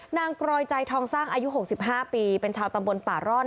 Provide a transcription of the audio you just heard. กรอยใจทองสร้างอายุ๖๕ปีเป็นชาวตำบลป่าร่อน